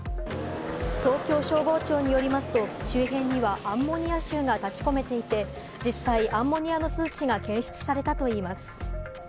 東京消防庁によりますと、周辺にはアンモニア臭が立ち込めていて、実際、アンモニアの数値が検出されたといいます。